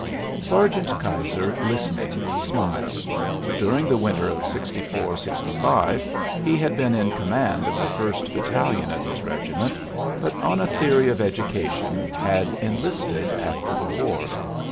Sergeant Keyser, listening, smiled. During the winter of '64 65 he had been in command of the first battalion of his regiment, but, on a theory of education, had enlisted after the war.